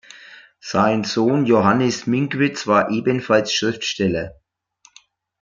Sein Sohn Johannes Minckwitz war ebenfalls Schriftsteller.